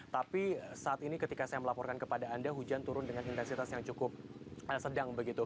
tapi saat ini ketika saya melaporkan kepada anda hujan turun dengan intensitas yang cukup sedang begitu